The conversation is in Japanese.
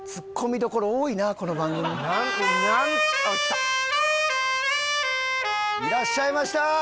この番組いらっしゃいました！